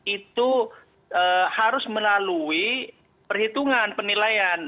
itu harus melalui perhitungan penilaian